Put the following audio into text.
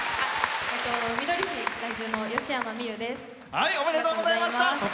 みどり市在住のよしやまです。